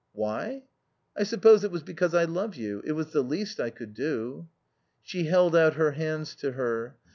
"Why? I suppose it was because I love you. It was the least I could do." She held out her hands to her.